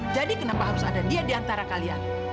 jadi kenapa harus ada dia di antara kalian